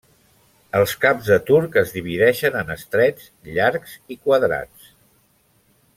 Els caps de turc es divideixen en estrets, llargs i quadrats.